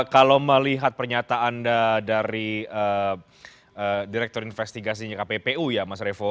kalau melihat pernyataan dari direktur investigasinya kppu ya mas revo